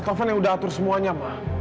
taufan yang udah atur semuanya ma